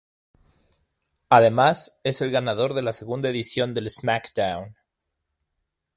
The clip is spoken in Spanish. Además es el ganador de la segunda edición del SmackDown!